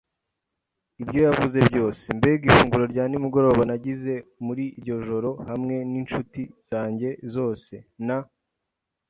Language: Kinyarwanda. ibyo yavuze byose. Mbega ifunguro rya nimugoroba nagize muri iryo joro, hamwe n'inshuti zanjye zose; na